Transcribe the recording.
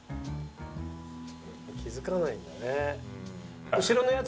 気づかないんだね。